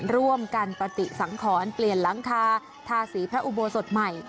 ร่วมกันปฏิสังขรเปลี่ยนหลังคาทาสีพระอุโบสถใหม่